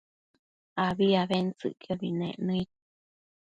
abi abentsëcquiobi nec nëid